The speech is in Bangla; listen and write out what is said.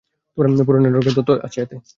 পুরো নেটওয়ার্কের তথ্য আছে এতে।